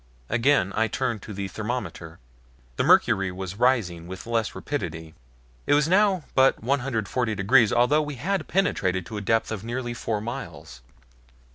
Again I turned to the thermometer. The mercury was rising with less rapidity. It was now but 140 degrees, although we had penetrated to a depth of nearly four miles.